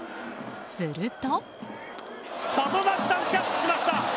すると。